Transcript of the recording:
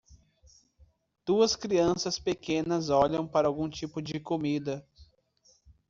Duas crianças pequenas olham para algum tipo de comida.